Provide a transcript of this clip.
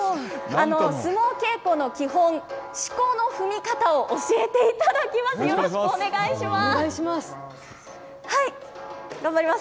相撲稽古の基本、しこの踏み方を教えていただきます。